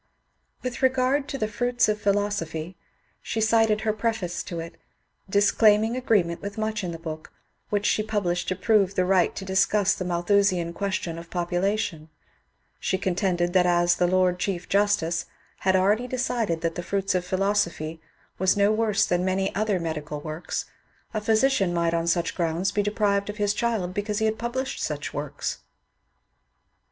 With regard to the " Fruits of Philosophy," she cited her preface to it, disclaiming agreement with much in the book. MRS. BESANT'S PLEA 289 which she published to prove the right to discuss the Malthu sian question of population ; she contended that as the Lord Chief Justice had already decided that the ^^ Fruits of Philo sophy '* was no worse than many other medical works, a phy sician might on such grounds be deprived of his child because he had published such works.